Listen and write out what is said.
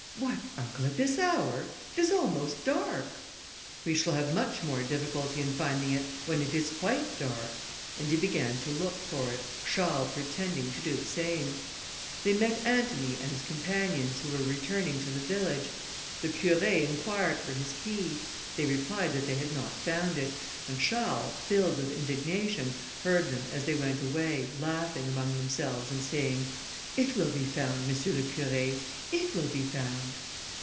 "What uncle, at this hour? it is almost dark." "We shall have much more difficulty in finding it when it is quite dark;" and he began to look for it, Charles pretending to do the same. They met Antony and his companions, who were returning to the village; the Curé inquired for his key; they replied that they had not found it, and Charles, filled with indignation, heard them as they went away, laughing among themselves, and saying, "It will be found, M. le Curé, it will be found."